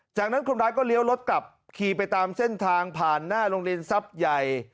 จากนั้นคนร้ายก็เลี้ยวรถกลับขี่ไปตามเส้นทางผ่านหน้าโรงเรียนทรัพย์ใหญ่